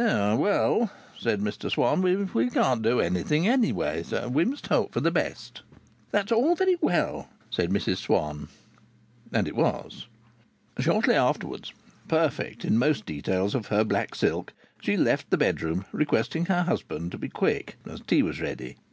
"Well," said Mr Swann, "we can't do anything; anyway, we must hope for the best." "That's all very well," said Mrs Swann. And it was. Shortly afterwards, perfect in most details of her black silk, she left the bedroom, requesting her husband to be quick, as tea was ready.